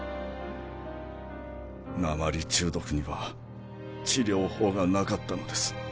鉛中毒には治療法がなかったのです。